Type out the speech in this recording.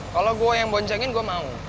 kalau gue yang boncengin gue mau